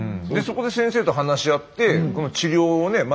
そこで先生と話し合って治療をね